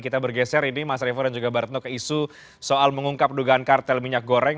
kita bergeser ini mas revo dan juga mbak retno ke isu soal mengungkap dugaan kartel minyak goreng